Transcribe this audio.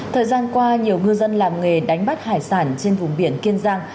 thời gian qua nhiều ngư dân làm nghề đánh bắt hải sản trên vùng biển kiên giang